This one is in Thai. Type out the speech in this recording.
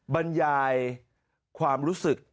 บรรยายความรู้สึก